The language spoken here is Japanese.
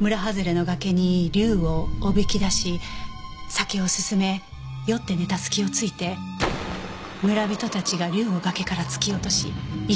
村はずれの崖に竜をおびき出し酒を勧め酔って寝た隙をついて村人たちが竜を崖から突き落とし生き埋めにした。